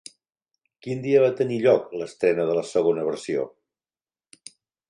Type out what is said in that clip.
Quin dia va tenir lloc l'estrena de la segona versió?